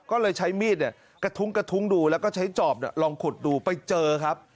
ก็เลยใช้มีดเนี่ยกระทุ้งกระทุ้งดูแล้วก็ใช้จอบลองขุดดูไปเจอครับ